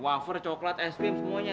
wafer coklat es krim semuanya